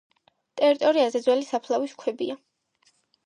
ტერიტორიაზე ძველი საფლავის ქვებია.